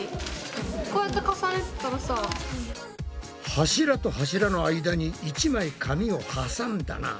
柱と柱の間に１枚紙を挟んだな。